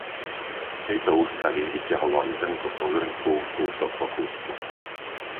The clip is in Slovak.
Z tejto ústavy vyťahovali zrnko po zrnku, kúsok po kúsku.